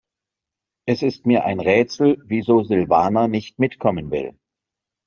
Es ist mir ein Rätsel, wieso Silvana nicht mitkommen will.